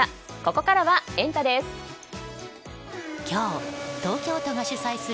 ここからはエンタ！です。